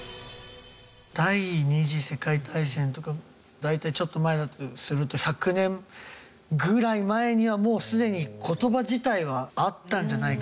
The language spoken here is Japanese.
第二次世界大戦とか大体ちょっと前だとすると１００年ぐらい前にはもうすでに言葉自体はあったんじゃないかなと思います。